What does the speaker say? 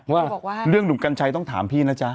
ว่าเรื่องหนุ่มกัญชัยต้องถามพี่นะจ๊ะ